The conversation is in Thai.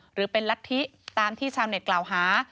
หรือเป็นลัทธิตามที่ชาวเน็ตกล่าวหา